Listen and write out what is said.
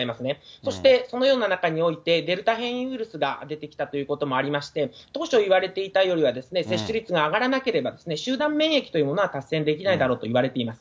そしてそのような中において、デルタ変異ウイルスが出てきたということもありまして、当初いわれていたよりは、接種率が上がらなければ、集団免疫というものは達成できないだろうというふうにいわれています。